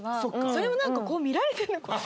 それをこう見られてるのかな。